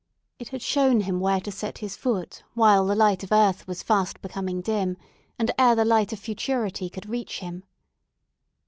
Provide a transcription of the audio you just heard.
It had shown him where to set his foot, while the light of earth was fast becoming dim, and ere the light of futurity could reach him.